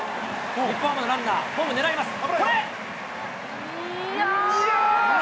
日本ハムのランナー、ホーム狙います。